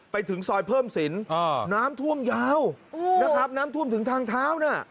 ไปถึงซอยเพิ่มสินน้ำท่วมยาวนะครับน้ำท่วมถึงทางเท้าน่ะ